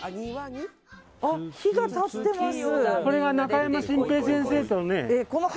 あ、碑が立ってます。